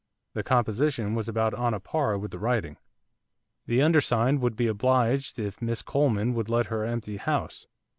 The composition was about on a par with the writing. 'The undersigned would be oblidged if Miss Coleman would let her empty house.